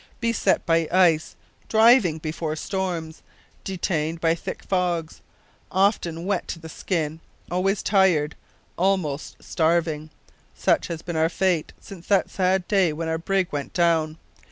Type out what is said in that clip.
Beset by ice; driving before storms; detained by thick fogs; often wet to the skin; always tired, almost starving such has been our fate since that sad day when our brig went down.